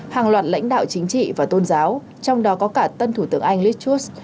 hàng loạt lãnh đạo chính trị và tôn giáo trong đó có cả tân thủ tướng anh liz choox